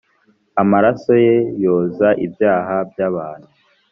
amaraso ye yoza ibyaha by abantu